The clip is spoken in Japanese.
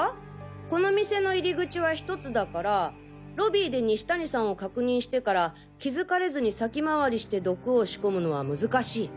この店の入り口はひとつだからロビーで西谷さんを確認してから気づかれずに先回りして毒を仕込むのは難しい。